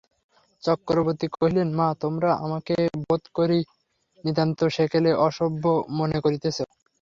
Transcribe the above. চক্রবর্তী কহিলেন, মা, তোমরা আমাকে বোধ করি নিতান্ত সেকেলে অসভ্য মনে করিতেছ।